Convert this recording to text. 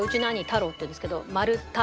太郎っていうんですけどマル「太」